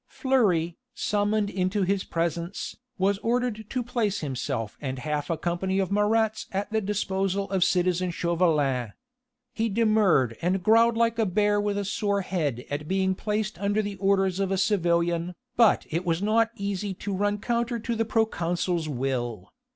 Fleury, summoned into his presence, was ordered to place himself and half a company of Marats at the disposal of citizen Chauvelin. He demurred and growled like a bear with a sore head at being placed under the orders of a civilian, but it was not easy to run counter to the proconsul's will.